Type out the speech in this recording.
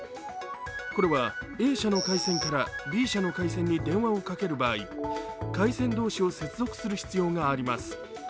これはＡ社の回線からＢ社の回線に電話をかける場合回線同士を接続する必要があります。